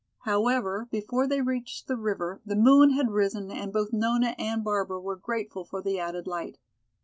However, before they reached the river the moon had risen and both Nona and Barbara were grateful for the added light.